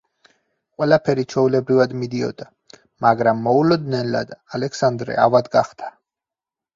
ყველაფერი ჩვეულებრივად მიდიოდა, მაგრამ მოულოდნელად ალექსანდრე ავად გახდა.